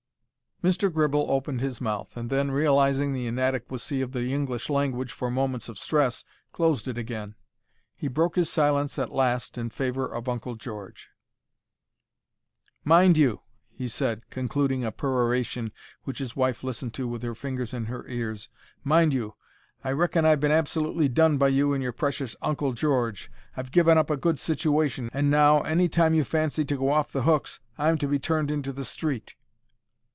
Mr. Gribble opened his mouth, and then, realizing the inadequacy of the English language for moments of stress, closed it again. He broke his silence at last in favour of Uncle George. "Mind you," he said, concluding a peroration which his wife listened to with her fingers in her ears—"mind you, I reckon I've been absolutely done by you and your precious Uncle George. I've given up a good situation, and now, any time you fancy to go off the hooks, I'm to be turned into the street."